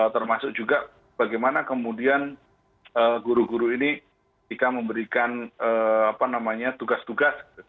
termasuk juga bagaimana kemudian guru guru ini jika memberikan tugas tugas